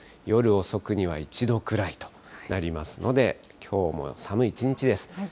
夜遅くには１度くらいとなりますので、きょうも寒い一日です。